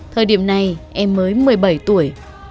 thời điểm này em mới một mươi bảy tuổi